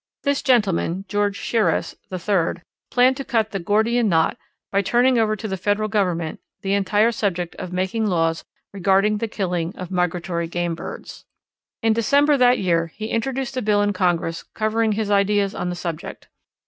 This gentleman, George Shiras, 3rd, planned to cut the Gordian knot by turning over to the Federal Government the entire subject of making laws regarding the killing of migratory game birds. In December that year he introduced a bill in Congress covering his ideas on the subject.